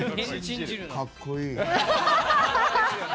かっこいい。